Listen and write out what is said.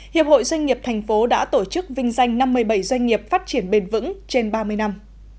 hiệp hội doanh nghiệp thành phố đã tổ chức vinh danh năm mươi bảy doanh nghiệp phát triển bền vững trên ba mươi năm